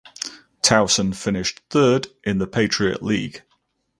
Towson finished third in the Patriot League.